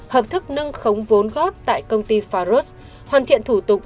hợp thức nâng khống vốn góp tại công ty faros hoàn thiện thủ tục